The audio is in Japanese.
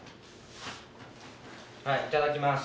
はいいただきます！